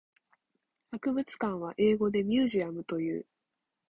博物館は英語でミュージアムという。